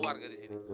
sama warga di sini